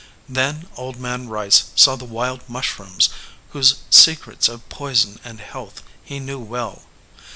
Then Old Man Rice saw the wild mushrooms whose se crets of poison and health he knew well.